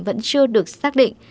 vẫn chưa được xác định